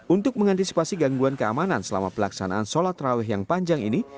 untuk mengantisipasi gangguan keamanan selama pelaksanaan sholat raweh yang panjang ini